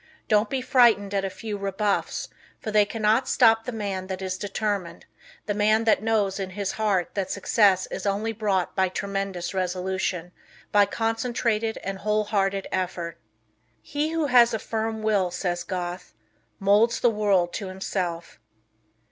Don't be frightened at a few rebuffs, for they cannot stop the man that is determined the man that knows in his heart that success is only bought by tremendous resolution, by concentrated and whole hearted effort. "He who has a firm will," says Goethe, "molds the world to himself."